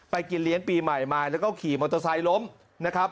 กินเลี้ยงปีใหม่มาแล้วก็ขี่มอเตอร์ไซค์ล้มนะครับ